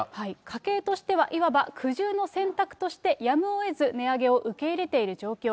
家計としては、いわば苦渋の選択として、やむをえず値上げを受け入れている状況。